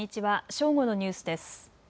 正午のニュースです。